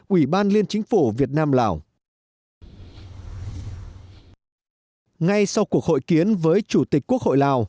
ủy ban liên chính phủ việt nam lào ngay sau cuộc hội kiến với chủ tịch quốc hội lào